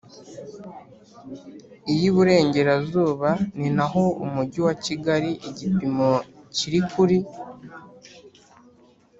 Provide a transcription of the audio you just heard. iy Iburengerazuba ni naho Umujyi wa Kigali igipimo kiri kuri